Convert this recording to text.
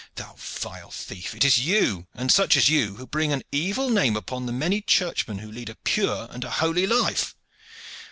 Thou vile thief! it is you, and such as you, who bring an evil name upon the many churchmen who lead a pure and a holy life.